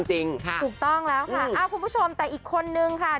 จริงค่ะถูกต้องแล้วค่ะคุณผู้ชมแต่อีกคนนึงค่ะ